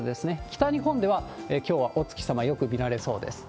北日本では、きょうはお月様、よく見られそうです。